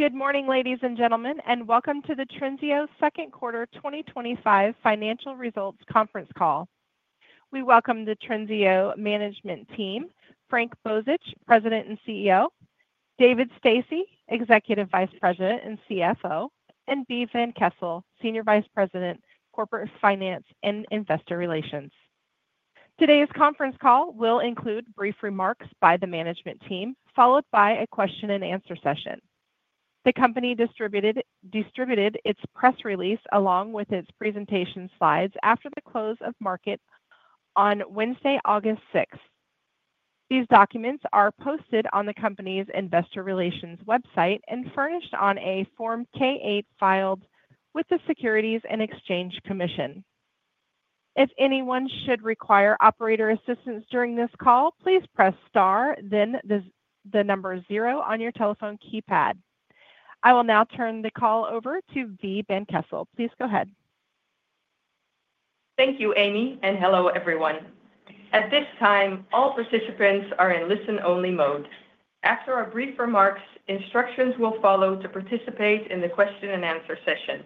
Good morning, ladies and gentlemen, and welcome to the Trinseo Second Quarter 2025 Financial Results Conference Call. We welcome the Trinseo Management Team, Frank Bozich, President and CEO, David Stasse, Executive Vice President and CFO, and Bregje Roseboom-Van Kessel, Senior Vice President, Corporate Finance and Investor Relations. Today's conference call will include brief remarks by the management team, followed by a question and answer session. The company distributed its press release along with its presentation slides after the close of market on Wednesday, August 6. These documents are posted on the company's Investor Relations website and furnished on a Form 8-K filed with the Securities and Exchange Commission. If anyone should require operator assistance during this call, please press star, then the number zero on your telephone keypad. I will now turn the call over to Bregje Roseboom-Van Kessel. Please go ahead. Thank you, Amy, and hello everyone. At this time, all participants are in listen-only mode. After our brief remarks, instructions will follow to participate in the question-and-answer session.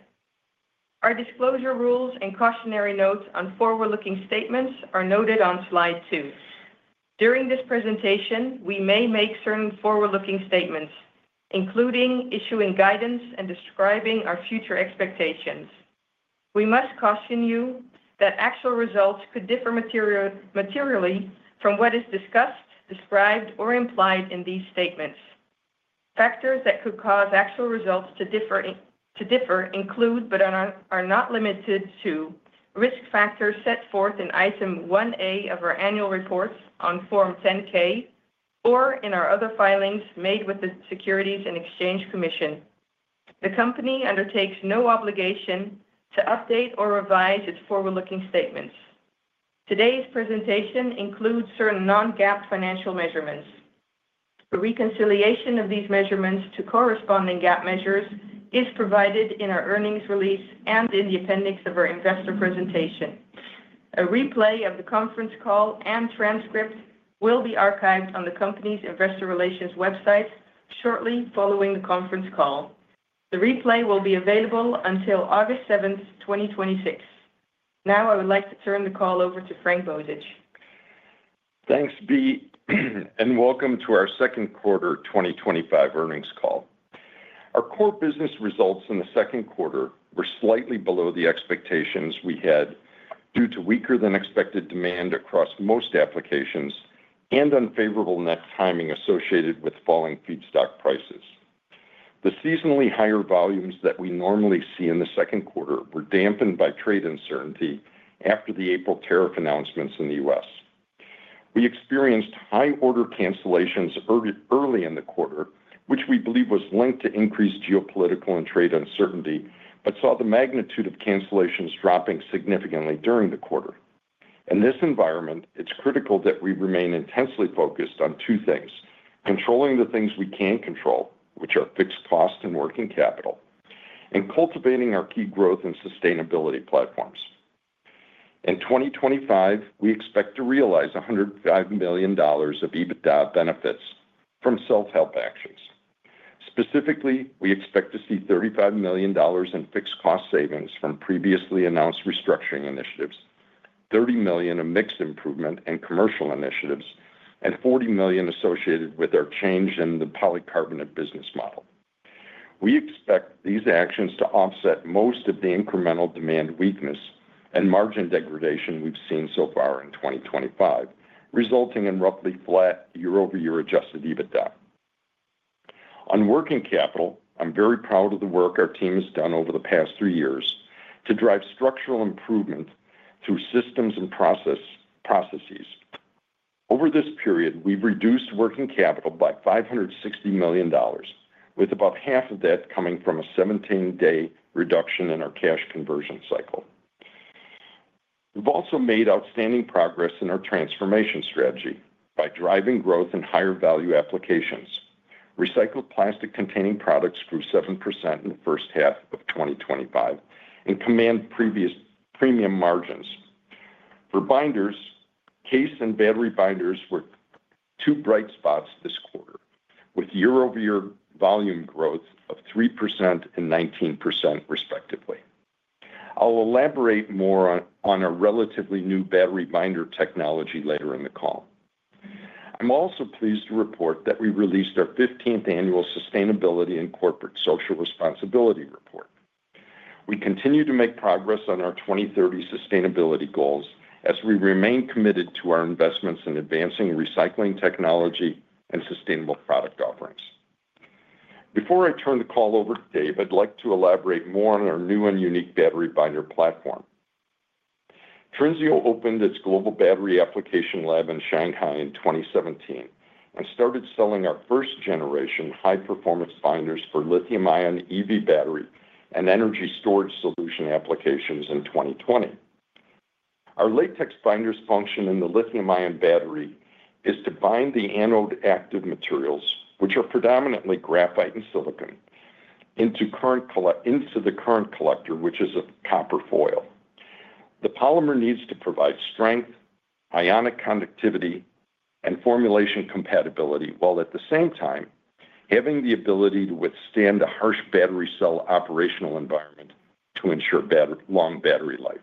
Our disclosure rules and cautionary notes on forward-looking statements are noted on Slide 2. During this presentation, we may make certain forward-looking statements, including issuing guidance and describing our future expectations. We must caution you that actual results could differ materially from what is discussed, described, or implied in these statements. Factors that could cause actual results to differ include, but are not limited to, risk factors set forth in Item 1A of our Annual Reports on Form 10-K or in our other filings made with the Securities and Exchange Commission. The company undertakes no obligation to update or revise its forward-looking statements. Today's presentation includes certain non-GAAP financial measurements. A reconciliation of these measurements to corresponding GAAP measures is provided in our earnings release and in the appendix of our investor presentation. A replay of the conference call and transcript will be archived on the company's Investor Relations website shortly following the conference call. The replay will be available until August 7, 2026. Now, I would like to turn the call over to Frank Bozich. Thanks, B, and welcome to our Second Quarter 2025 Earnings Call. Our core business results in the second quarter were slightly below the expectations we had due to weaker than expected demand across most applications and unfavorable net timing associated with falling feedstock prices. The seasonally higher volumes that we normally see in the second quarter were dampened by trade uncertainty after the April tariff announcements in the U.S. We experienced high order cancellations early in the quarter, which we believe was linked to increased geopolitical and trade uncertainty, but saw the magnitude of cancellations dropping significantly during the quarter. In this environment, it's critical that we remain intensely focused on two things: controlling the things we can control, which are fixed cost and working capital, and cultivating our key growth and sustainability platforms. In 2025, we expect to realize $105 million of EBITDA benefits from self-help actions. Specifically, we expect to see $35 million in fixed cost savings from previously announced restructuring initiatives, $30 million in mixed improvement and commercial initiatives, and $40 million associated with our change in the polycarbonate business model. We expect these actions to offset most of the incremental demand weakness and margin degradation we've seen so far in 2025, resulting in roughly flat year-over-year adjusted EBITDA. On working capital, I'm very proud of the work our team has done over the past three years to drive structural improvement through systems and processes. Over this period, we've reduced working capital by $560 million, with about half of that coming from a 17-day reduction in our cash conversion cycle. We've also made outstanding progress in our transformation strategy by driving growth in higher value applications, recycled plastic containing products grew 7% in the first half of 2025, and commanded premium margins. For binders, CASE and battery binders were two bright spots this quarter, with year-over-year volume growth of 3% and 19% respectively. I'll elaborate more on a relatively new battery binder technology later in the call. I'm also pleased to report that we released our 15th annual Sustainability and Corporate Social Responsibility Report. We continue to make progress on our 2030 sustainability goals as we remain committed to our investments in advancing recycling technology and sustainable product offerings. Before I turn the call over to Dave, I'd like to elaborate more on our new and unique battery binder platform. Trinseo opened its global battery application lab in Shanghai in 2017 and started selling our first generation high-performance binders for lithium-ion EV battery and energy storage solution applications in 2020. Our latex binder's function in the lithium-ion battery is to bind the anode active materials, which are predominantly graphite and silicon, into the current collector, which is a copper foil. The polymer needs to provide strength, ionic conductivity, and formulation compatibility, while at the same time having the ability to withstand a harsh battery cell operational environment to ensure long battery life.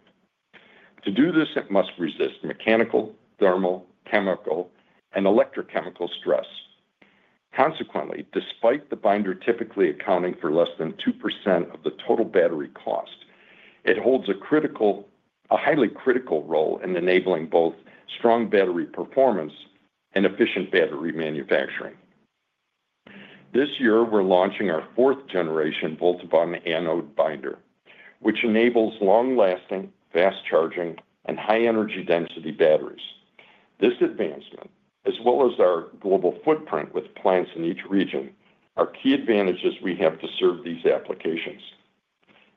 To do this, it must resist mechanical, thermal, chemical, and electrochemical stress. Consequently, despite the binder typically accounting for less than 2% of the total battery cost, it holds a critical, a highly critical role in enabling both strong battery performance and efficient battery manufacturing. This year, we're launching our fourth generation anode binder, which enables long-lasting, fast-charging, and high energy density batteries. This advancement, as well as our global footprint with plants in each region, are key advantages we have to serve these applications.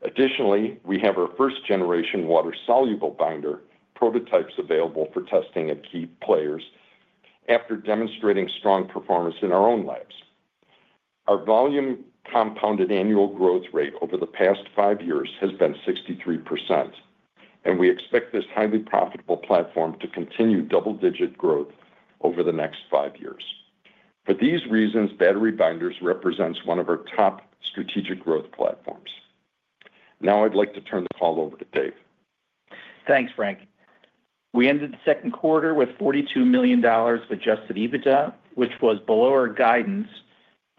Additionally, we have our first generation water-soluble binder prototypes available for testing at key players after demonstrating strong performance in our own labs. Our volume compound annual growth rate over the past five years has been 63%, and we expect this highly profitable platform to continue double-digit growth over the next five years. For these reasons, battery binders represent one of our top strategic growth platforms. Now, I'd like to turn the call over to Dave. Thanks, Frank. We ended the second quarter with $42 million of adjusted EBITDA, which was below our guidance,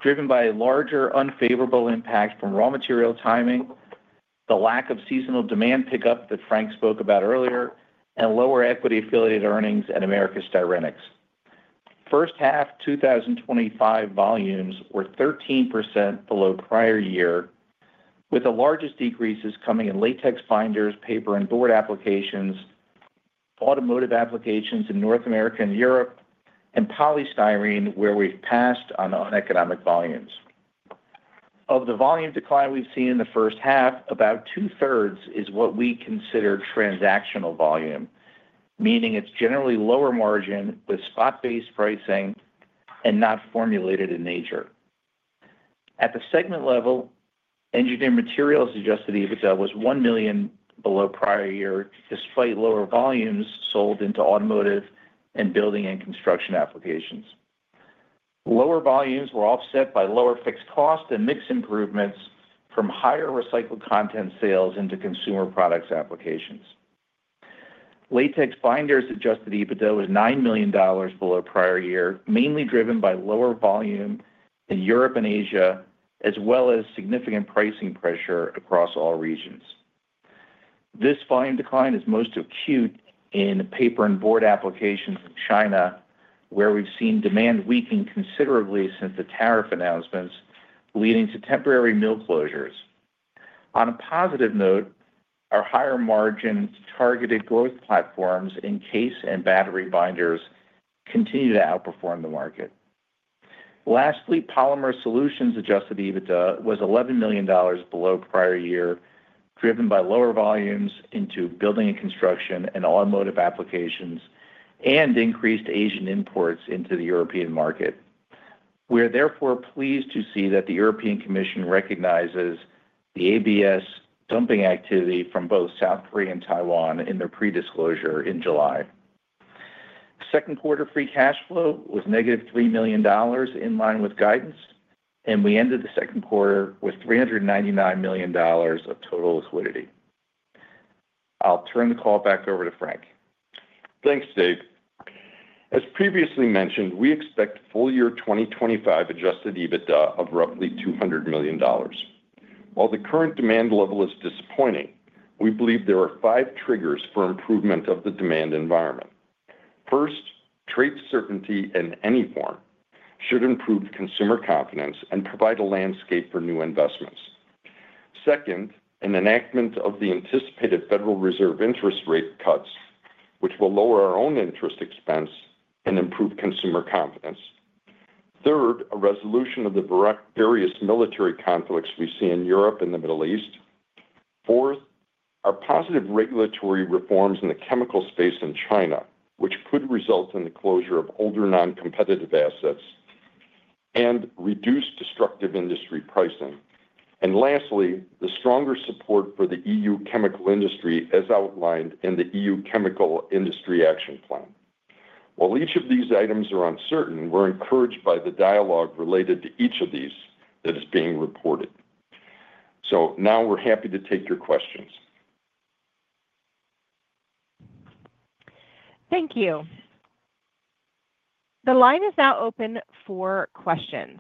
driven by a larger unfavorable impact from raw material timing, the lack of seasonal demand pickup that Frank spoke about earlier, and lower equity affiliate earnings at Americas Styrenics. First half 2025 volumes were 13% below prior year, with the largest decreases coming in latex binders, paper and board applications, automotive applications in North America and Europe, and polystyrene, where we've passed on economic volumes. Of the volume decline we've seen in the first half, about two-thirds is what we considered transactional volume, meaning it's generally lower margin with spot-based pricing and not formulated in nature. At the segment level, engineered materials adjusted EBITDA was $1 million below prior year, despite lower volumes sold into automotive and building and construction applications. Lower volumes were offset by lower fixed cost and mix improvements from higher recycled content sales into consumer products applications. Latex binders adjusted EBITDA was $9 million below prior year, mainly driven by lower volume in Europe and Asia, as well as significant pricing pressure across all regions. This volume decline is most acute in paper and board applications in China, where we've seen demand weaken considerably since the tariff announcements, leading to temporary mill closures. On a positive note, our higher margin targeted growth platforms in CASE and battery binders continue to outperform the market. Lastly, polymer solutions adjusted EBITDA was $11 million below prior year, driven by lower volumes into building and construction and automotive applications and increased Asian imports into the European market. We are therefore pleased to see that the European Commission recognizes the ABS dumping activity from both South Korea and Taiwan in their pre-disclosure in July. Second quarter free cash flow was negative $3 million in line with guidance, and we ended the second quarter with $399 million of total liquidity. I'll turn the call back over to Frank. Thanks, Dave. As previously mentioned, we expect full-year 2025 adjusted EBITDA of roughly $200 million. While the current demand level is disappointing, we believe there are five triggers for improvement of the demand environment. First, trade certainty in any form should improve consumer confidence and provide a landscape for new investments. Second, an enactment of the anticipated Federal Reserve interest rate cuts, which will lower our own interest expense and improve consumer confidence. Third, a resolution of the various military conflicts we see in Europe and the Middle East. Fourth, our positive regulatory reforms in the chemical space in China, which could result in the closure of older non-competitive assets and reduce destructive industry pricing. Lastly, the stronger support for the EU chemical industry as outlined in the EU Chemical Industry Action Plan. While each of these items are uncertain, we're encouraged by the dialogue related to each of these that is being reported. Now we're happy to take your questions. Thank you. The line is now open for questions.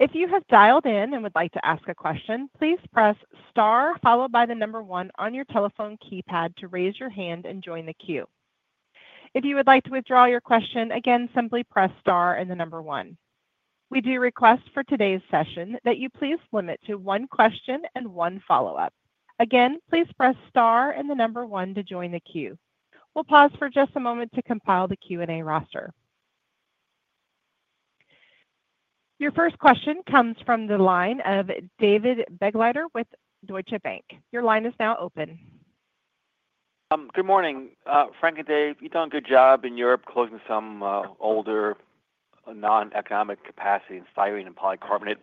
If you have dialed in and would like to ask a question, please press star followed by the number one on your telephone keypad to raise your hand and join the queue. If you would like to withdraw your question, again, simply press star and the number one. We do request for today's session that you please limit to one question and one follow-up. Again, please press star and the number one to join the queue. We'll pause for just a moment to compile the Q&A roster. Your first question comes from the line of David Begleiter with Deutsche Bank. Your line is now open. Good morning, Frank and Dave. You've done a good job in Europe closing some older non-economic capacity in styrene and polycarbonate.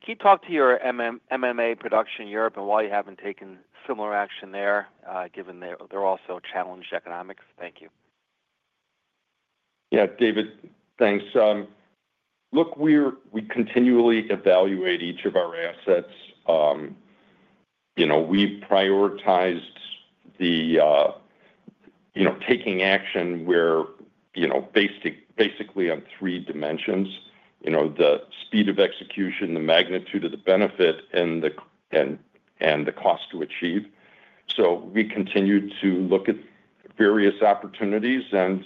Can you talk to your MMA production in Europe and why you haven't taken similar action there, given their also challenged economics? Thank you. Yeah, David, thanks. Look, we continually evaluate each of our assets. We prioritized taking action basically on three dimensions: the speed of execution, the magnitude of the benefit, and the cost to achieve. We continue to look at various opportunities and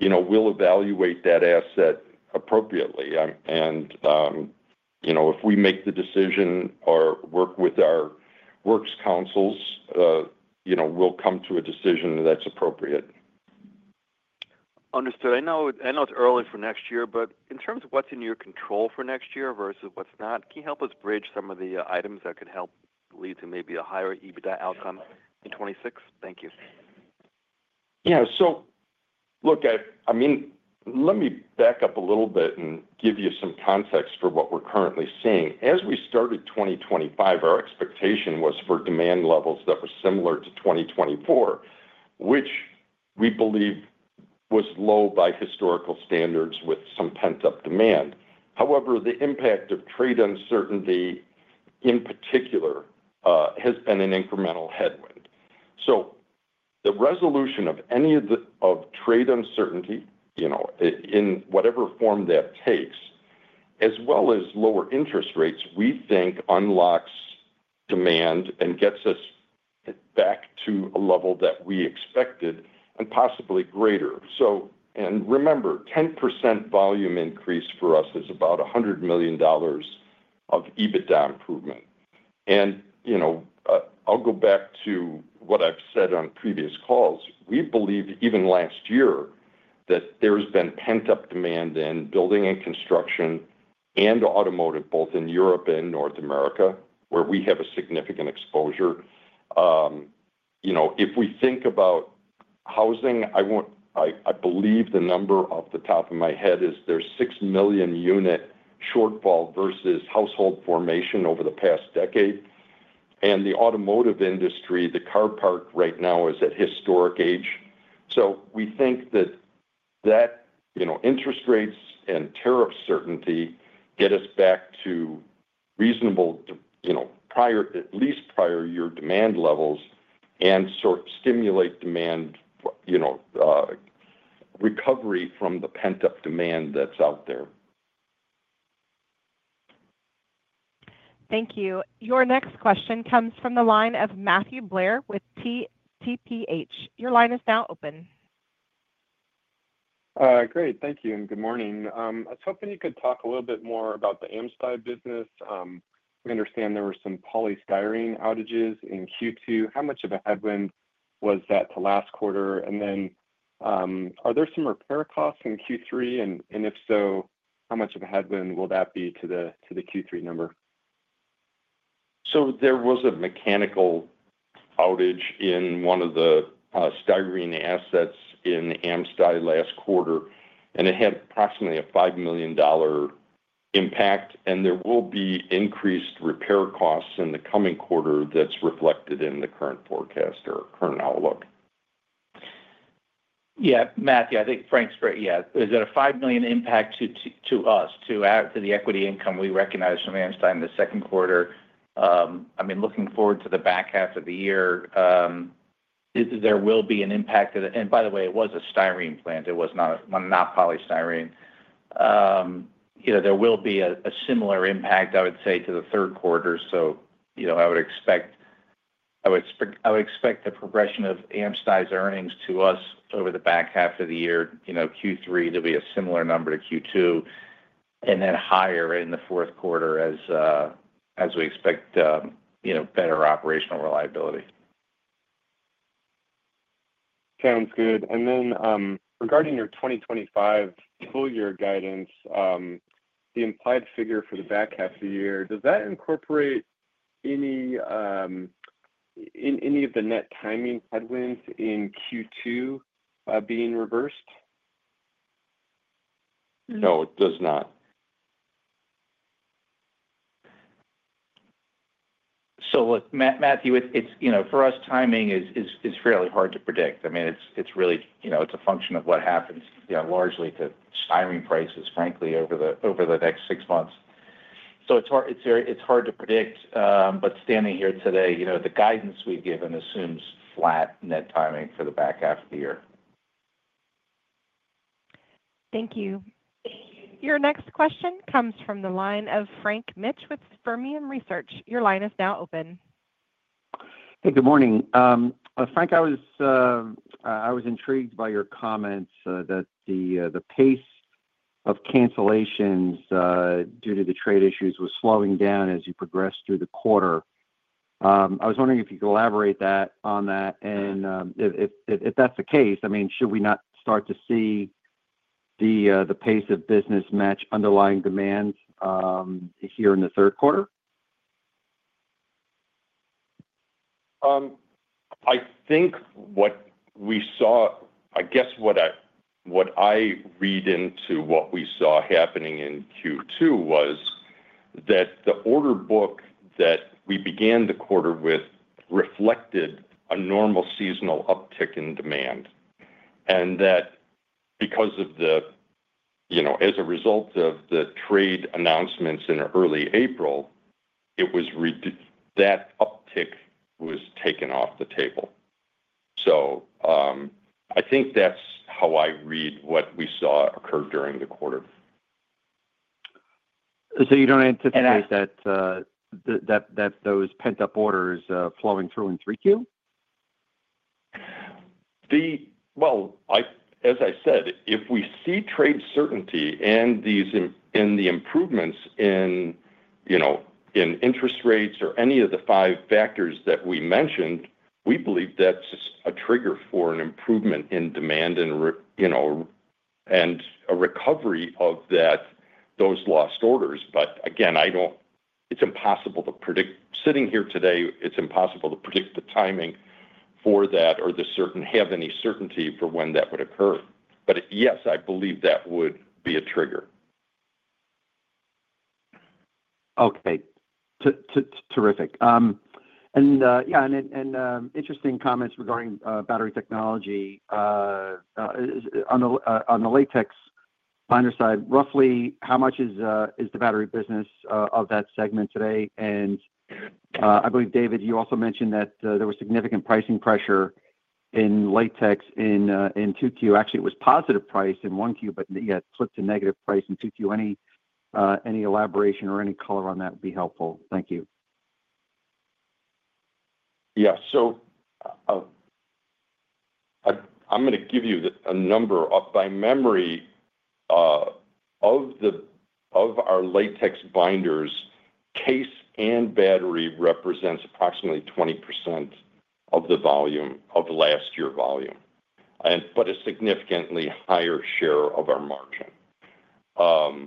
we'll evaluate that asset appropriately. If we make the decision or work with our works councils, we'll come to a decision that's appropriate. Understood. I know it's early for next year, but in terms of what's in your control for next year versus what's not, can you help us bridge some of the items that could help lead to maybe a higher EBITDA outcome in 2026? Thank you. Yeah, so look, I mean, let me back up a little bit and give you some context for what we're currently seeing. As we started 2025, our expectation was for demand levels that were similar to 2024, which we believe was low by historical standards with some pent-up demand. However, the impact of trade uncertainty in particular has been an incremental headwind. The resolution of any of the trade uncertainty, you know, in whatever form that takes, as well as lower interest rates, we think unlocks demand and gets us back to a level that we expected and possibly greater. Remember, 10% volume increase for us is about $100 million of EBITDA improvement. I'll go back to what I've said on previous calls. We believe even last year that there's been pent-up demand in building and construction and automotive, both in Europe and North America, where we have a significant exposure. If we think about housing, I want, I believe the number off the top of my head is there's 6 million unit shortfall versus household formation over the past decade. The automotive industry, the car park right now is at historic age. We think that, you know, interest rates and tariff certainty get us back to reasonable, you know, prior, at least prior year demand levels and sort of stimulate demand, you know, recovery from the pent-up demand that's out there. Thank you. Your next question comes from the line of Matthew Blair with TPH. Your line is now open. Great. Thank you. Good morning. I was hoping you could talk a little bit more about the Americas Styrenics business. We understand there were some polystyrene outages in Q2. How much of a headwind was that to last quarter? Are there some repair costs in Q3? If so, how much of a headwind will that be to the Q3 number? There was a mechanical outage in one of the styrene assets in Americas Styrenics last quarter, and it had approximately a $5 million impact. There will be increased repair costs in the coming quarter that's reflected in the current forecast or current outlook. Yeah, Matthew, I think Frank's great. Is it a $5 million impact to us, to add to the equity income we recognize from Americas Styrenics in the second quarter? I mean, looking forward to the back half of the year, there will be an impact. By the way, it was a styrene plant. It was not a polystyrene. There will be a similar impact, I would say, to the third quarter. I would expect the progression of Americas Styrenics' earnings to us over the back half of the year, Q3, there'll be a similar number to Q2, and then higher in the fourth quarter as we expect better operational reliability. Sounds good. Regarding your 2025 full-year guidance, the implied figure for the back half of the year, does that incorporate any of the net timing headwinds in Q2 being reversed? No, it does not. Matthew, it's, you know, for us, timing is fairly hard to predict. I mean, it's really, you know, it's a function of what happens, you know, largely to styrene prices, frankly, over the next six months. It's hard to predict. Standing here today, you know, the guidance we've given assumes flat net timing for the back half of the year. Thank you. Your next question comes from the line of Frank Mitsch with Fermium Research. Your line is now open. Hey, good morning. Frank, I was intrigued by your comments that the pace of cancellations due to the trade issues was slowing down as you progressed through the quarter. I was wondering if you could elaborate on that. If that's the case, should we not start to see the pace of business match underlying demand here in the third quarter? I think what we saw, I guess what I read into what we saw happening in Q2 was that the order book that we began the quarter with reflected a normal seasonal uptick in demand. Because of the, you know, as a result of the trade announcements in early April, that uptick was taken off the table. I think that's how I read what we saw occur during the quarter. You don't anticipate that those pent-up orders flowing through in 3Q? As I said, if we see trade certainty and improvements in interest rates or any of the five factors that we mentioned, we believe that's a trigger for an improvement in demand and a recovery of those lost orders. I don't, it's impossible to predict. Sitting here today, it's impossible to predict the timing for that or have any certainty for when that would occur. Yes, I believe that would be a trigger. Okay. Terrific. Interesting comments regarding battery technology. On the latex binder side, roughly how much is the battery business of that segment today? I believe, David, you also mentioned that there was significant pricing pressure in latex in 2Q. Actually, it was positive price in 1Q, but it flipped to negative price in 2Q. Any elaboration or any color on that would be helpful. Thank you. Yeah. I'm going to give you a number. By memory, of our latex binders, CASE and battery represent approximately 20% of the volume of last year's volume, but a significantly higher share of our margin. I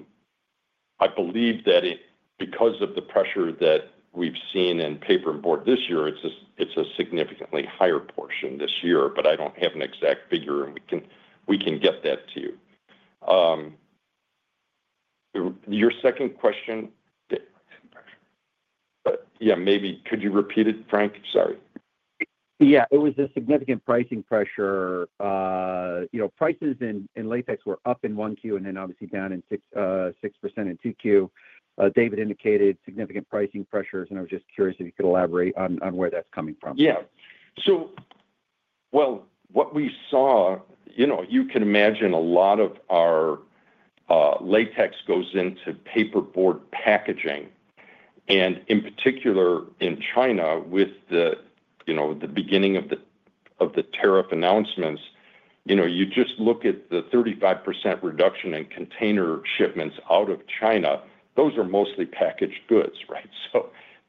believe that because of the pressure that we've seen in paper and board this year, it's a significantly higher portion this year, but I don't have an exact figure, and we can get that to you. Your second question, yeah, maybe could you repeat it, Frank? Sorry. Yeah. It was a significant pricing pressure. You know, prices in latex were up in 1Q and then obviously down 6% in 2Q. David indicated significant pricing pressures, and I was just curious if you could elaborate on where that's coming from. Yeah. What we saw, you know, you can imagine a lot of our latex goes into paper board packaging. In particular, in China, with the beginning of the tariff announcements, you just look at the 35% reduction in container shipments out of China. Those are mostly packaged goods, right?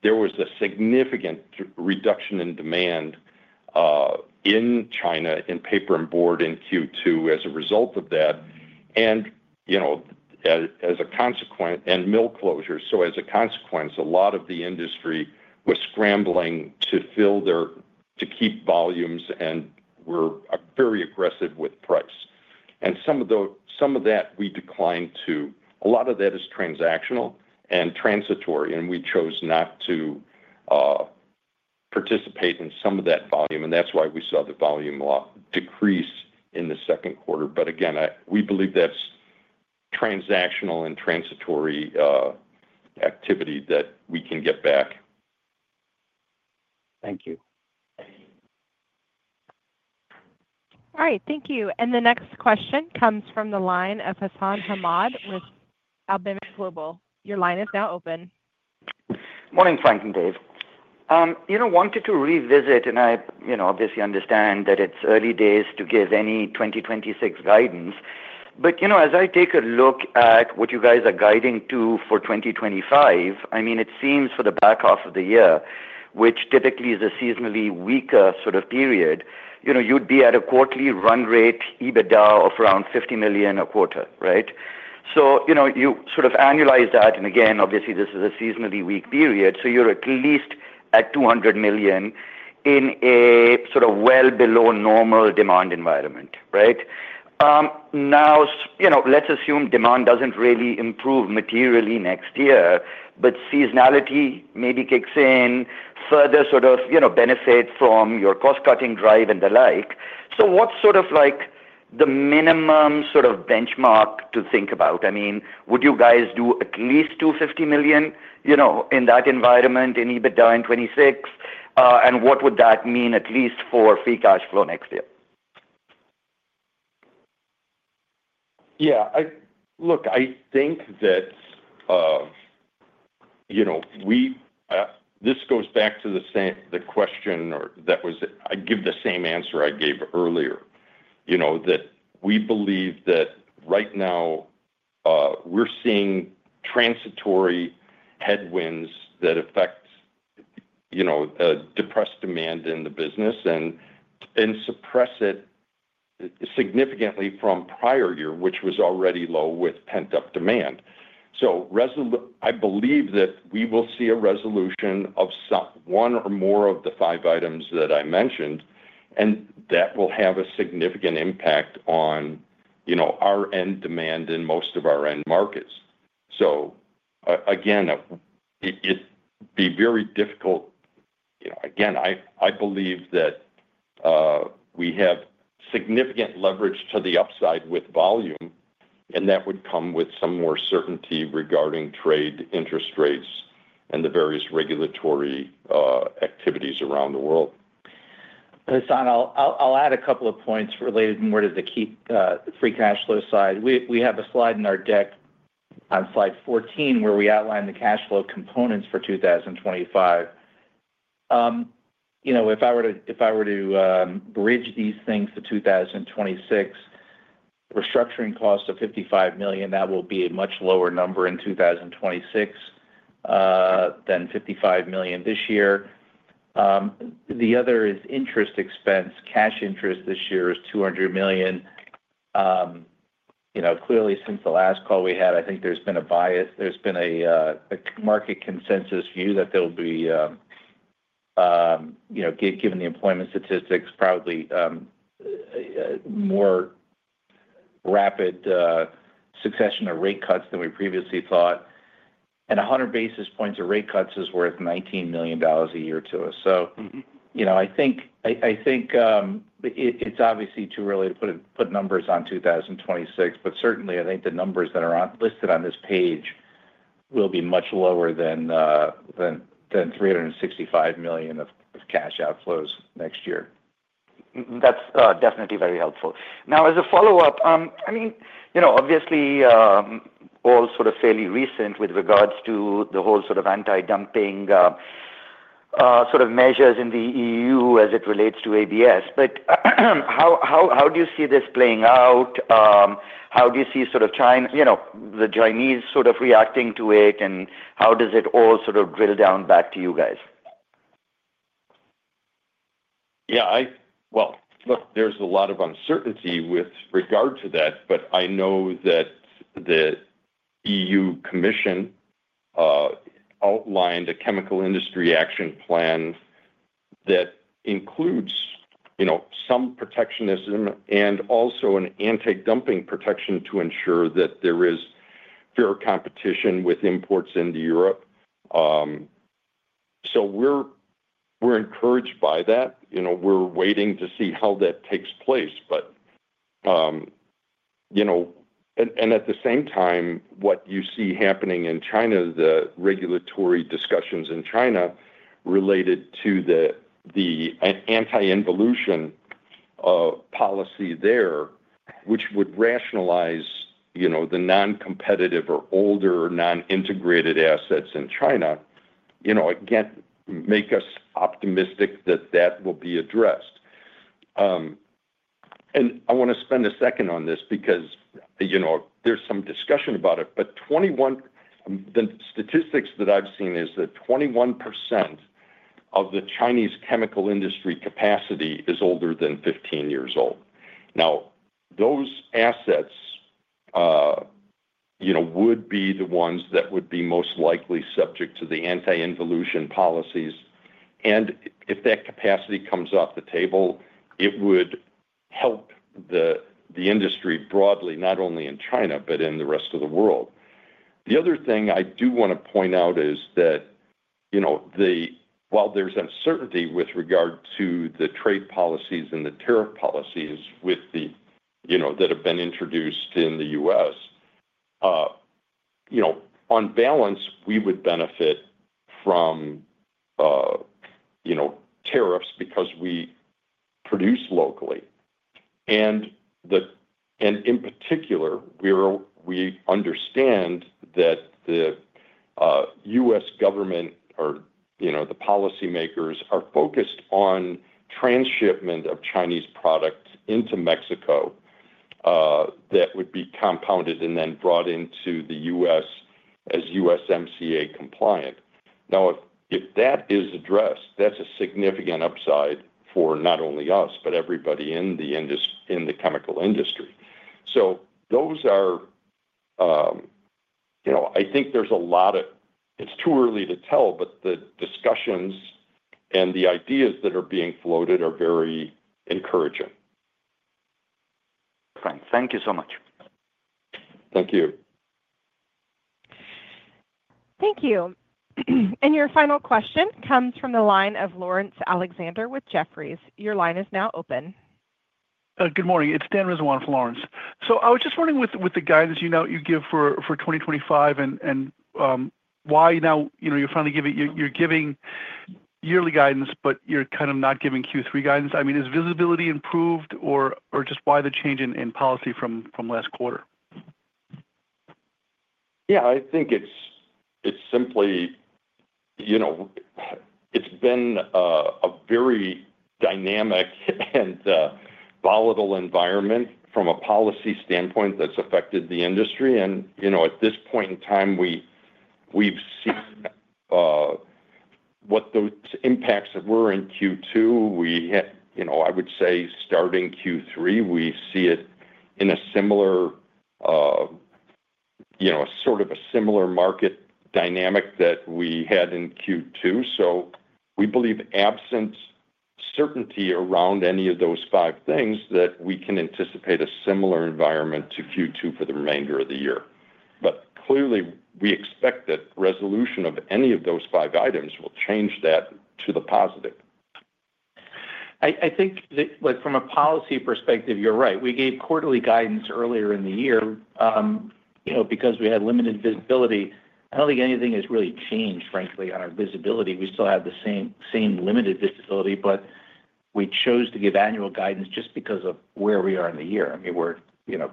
There was a significant reduction in demand in China in paper and board in Q2 as a result of that, and, as a consequence, mill closure. As a consequence, a lot of the industry was scrambling to fill their, to keep volumes and were very aggressive with price. Some of that we declined to. A lot of that is transactional and transitory, and we chose not to participate in some of that volume. That's why we saw the volume decrease in the second quarter. Again, we believe that's transactional and transitory activity that we can get back. Thank you. All right. Thank you. The next question comes from the line of Hassan Ahmed with Alembic Global Partners. Your line is now open. Morning, Frank and Dave. I wanted to revisit, and I obviously understand that it's early days to give any 2026 guidance. As I take a look at what you guys are guiding to for 2025, it seems for the back half of the year, which typically is a seasonally weaker sort of period, you'd be at a quarterly run rate EBITDA of around $50 million a quarter, right? You sort of annualize that. Again, this is a seasonally weak period. You're at least at $200 million in a sort of well below normal demand environment, right? Now, let's assume demand doesn't really improve materially next year, but seasonality maybe kicks in further, benefits from your cost-cutting drive and the like. What's sort of like the minimum benchmark to think about? Would you guys do at least $250 million in that environment in EBITDA in 2026? What would that mean at least for free cash flow next year? Yeah. Look, I think that, you know, this goes back to the question that was, I give the same answer I gave earlier, you know, that we believe that right now we're seeing transitory headwinds that affect depressed demand in the business and suppress it significantly from prior year, which was already low with pent-up demand. I believe that we will see a resolution of one or more of the five items that I mentioned, and that will have a significant impact on our end demand in most of our end markets. It'd be very difficult. I believe that we have significant leverage to the upside with volume, and that would come with some more certainty regarding trade, interest rates, and the various regulatory activities around the world. Hassan, I'll add a couple of points related more to the key free cash flow side. We have a slide in our deck on slide 14 where we outline the cash flow components for 2025. If I were to bridge these things to 2026, the restructuring cost of $55 million, that will be a much lower number in 2026 than $55 million this year. The other is interest expense. Cash interest this year is $200 million. Clearly, since the last call we had, I think there's been a bias. There's been a market consensus view that there will be, given the employment statistics, probably more rapid succession of rate cuts than we previously thought. 100 basis points of rate cuts is worth $19 million a year to us. I think it's obviously too early to put numbers on 2026, but certainly, I think the numbers that are listed on this page will be much lower than $365 million of cash outflows next year. That's definitely very helpful. Now, as a follow-up, obviously, all sort of fairly recent with regards to the whole sort of anti-dumping measures in the EU as it relates to ABS. How do you see this playing out? How do you see China, the Chinese reacting to it, and how does it all drill down back to you guys? Yeah, there's a lot of uncertainty with regard to that, but I know that the EU Commission outlined a chemical industry action plan that includes some protectionism and also an anti-dumping protection to ensure that there is fair competition with imports into Europe. We're encouraged by that. We're waiting to see how that takes place. At the same time, what you see happening in China, the regulatory discussions in China related to the anti-involution policy there, which would rationalize the non-competitive or older non-integrated assets in China, again, make us optimistic that that will be addressed. I want to spend a second on this because there's some discussion about it, but the statistics that I've seen is that 21% of the Chinese chemical industry capacity is older than 15 years old. Now, those assets would be the ones that would be most likely subject to the anti-involution policies. If that capacity comes off the table, it would help the industry broadly, not only in China, but in the rest of the world. The other thing I do want to point out is that while there's uncertainty with regard to the trade policies and the tariff policies that have been introduced in the U.S., on balance, we would benefit from tariffs because we produce locally. In particular, we understand that the U.S. government or the policymakers are focused on transshipment of Chinese products into Mexico that would be compounded and then brought into the U.S. as USMCA compliant. If that is addressed, that's a significant upside for not only us, but everybody in the chemical industry. I think there's a lot of, it's too early to tell, but the discussions and the ideas that are being floated are very encouraging. Thank you so much. Thank you. Thank you. Your final question comes from the line of Lawrence Alexander with Jefferies. Your line is now open. Good morning. It's Dan Rizzo from Lawrence. I was just wondering with the guidance you give for 2025 and why now, you're finally giving, you're giving yearly guidance, but you're kind of not giving Q3 guidance. I mean, is visibility improved or just why the change in policy from last quarter? Yeah, I think it's simply, you know, it's been a very dynamic and volatile environment from a policy standpoint that's affected the industry. At this point in time, we've seen what those impacts that were in Q2. I would say starting Q3, we see it in a similar, you know, sort of a similar market dynamic that we had in Q2. We believe absent certainty around any of those five things that we can anticipate a similar environment to Q2 for the remainder of the year. Clearly, we expect that resolution of any of those five items will change that to the positive. I think that from a policy perspective, you're right. We gave quarterly guidance earlier in the year because we had limited visibility. I don't think anything has really changed, frankly, on our visibility. We still have the same limited visibility, but we chose to give annual guidance just because of where we are in the year. I mean, we're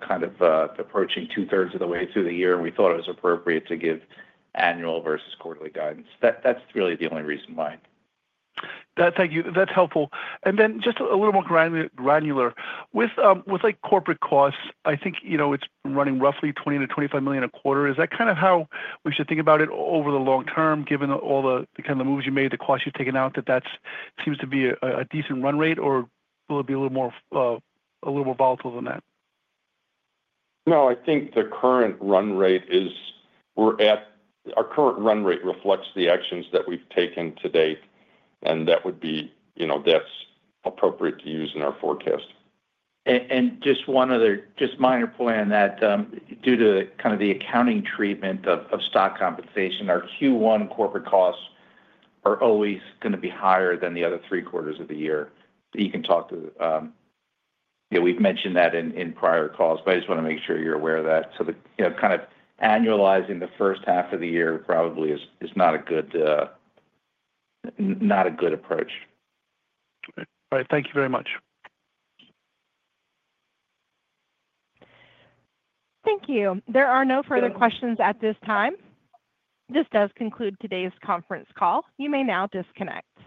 kind of approaching two-thirds of the way through the year, and we thought it was appropriate to give annual versus quarterly guidance. That's really the only reason why. Thank you. That's helpful. Just a little more granular, with corporate costs, I think it's running roughly $20 million-$25 million a quarter. Is that kind of how we should think about it over the long term, given all the moves you made, the costs you've taken out? That seems to be a decent run rate, or will it be a little more volatile than that? No, I think the current run rate is, we're at our current run rate reflects the actions that we've taken to date, and that would be, you know, that's appropriate to use in our forecast. Just one other, just minor point on that, due to kind of the accounting treatment of stock compensation, our Q1 corporate costs are always going to be higher than the other three quarters of the year. We've mentioned that in prior calls, but I just want to make sure you're aware of that. Annualizing the first half of the year probably is not a good approach. All right, thank you very much. Thank you. There are no further questions at this time. This does conclude today's conference call. You may now disconnect.